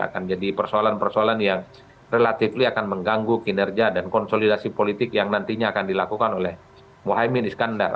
akan jadi persoalan persoalan yang relatifly akan mengganggu kinerja dan konsolidasi politik yang nantinya akan dilakukan oleh mohaimin iskandar